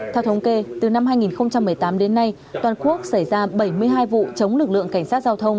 theo thống kê từ năm hai nghìn một mươi tám đến nay toàn quốc xảy ra bảy mươi hai vụ chống lực lượng cảnh sát giao thông